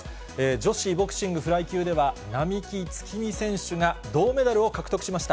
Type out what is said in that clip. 女子ボクシングフライ級では、並木月海選手が銅メダルを獲得しました。